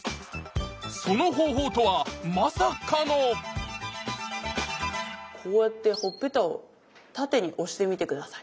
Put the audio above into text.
その方法とはまさかのこうやってほっぺたを縦に押してみて下さい。